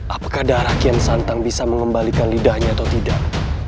apakah darah kian santang bisa mengembalikan lidahnya atau tidak